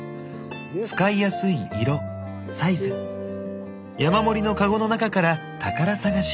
使いやすい色サイズ山盛りのカゴの中から宝探し。